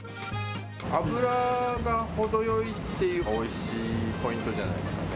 脂が程よいっていうのが、おいしいポイントじゃないですかね。